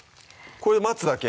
これで待つだけ？